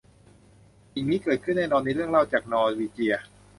สิ่งนี้เกิดขึ้นแน่นอนในเรื่องเล่าจากนอร์วีเจีย